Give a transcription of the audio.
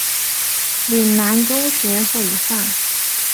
岭南中学或以上。